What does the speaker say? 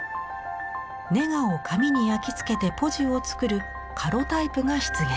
ネガを紙に焼きつけてポジを作るカロタイプが出現。